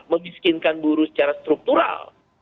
membiskinkan buruh secara struktural